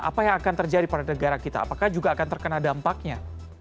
apa yang akan terjadi pada negara kita apakah juga akan terkena dampaknya